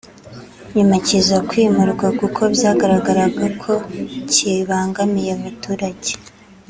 nyuma kiza kwimurwa kuko byagaragaraga ko kibangamiye abaturage